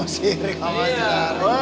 siri kamu anjar